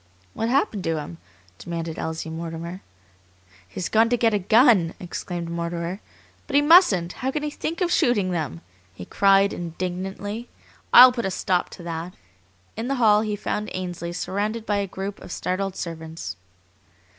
"What happened to him?" demanded Elsie Mortimer. "He's gone to get a gun!" exclaimed Mortimer. "But he mustn't! How can he think of shooting them?" he cried indignantly. "I'll put a stop to that!" In the hall he found Ainsley surrounded by a group of startled servants.